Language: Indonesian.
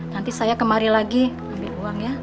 nanti saya kemari lagi ambil uang ya